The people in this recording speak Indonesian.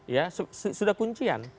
ya sudah kuncian